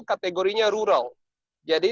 kategorinya rural jadi